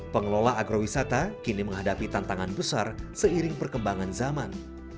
pengelola agrowisata kini menghadapi tantangan besar seiring perkembangan zaman